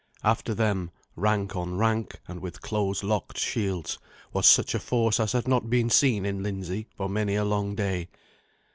After them, rank on rank and with close locked shields, was such a force as had not been seen in Lindsey for many a long day.